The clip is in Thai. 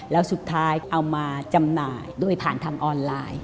แล้วสุดท้ายเอามาจำหน่ายด้วยผ่านทางออนไลน์